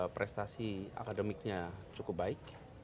prestasi akademiknya cukup baik